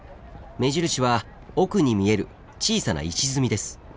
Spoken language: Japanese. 目印は奥に見える小さな石積みです。